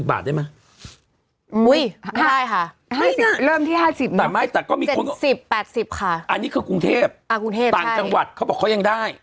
อันนี้คือกรุงเทพต่างจังหวัดเขายังได้